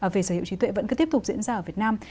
về sở hữu trí tuệ vẫn cứ tiếp tục diễn ra ở việt nam